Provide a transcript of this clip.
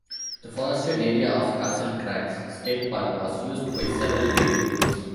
The forested area of Castle Crags State Park was used by several native groups.